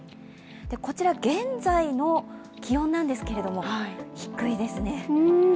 こちら、現在の気温なんですけれども低いですね。